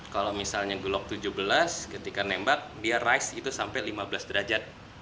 kalau misalnya glock tujuh belas ketika nembak dia rise itu sampai lima belas derajat